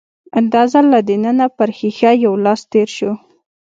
دا ځل له دننه پر ښيښه يو لاس تېر شو.